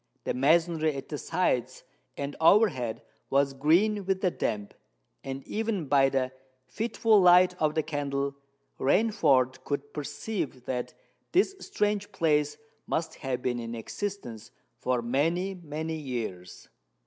The masonry at the sides and overhead was green with the damp; and, even by the fitful light of the candle, Rainford could perceive that this strange place must have been in existence for many—many years.